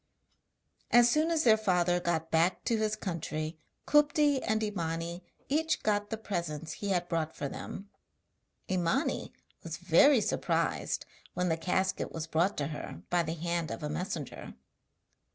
As soon as their father got back to his country Kupti and Imani each got the presents he had brought for them. Imani was very surprised when the casket was brought to her by the hand of a messenger.